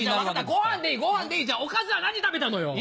ご飯でいいご飯でいいじゃあおかずは何食べたのよ？